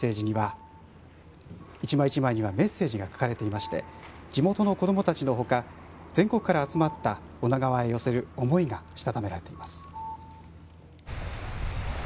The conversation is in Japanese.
一枚一枚にはメッセージが書かれていまして地元の子どもたちのほか全国から集まった女川へ寄せる思いがしたためられています。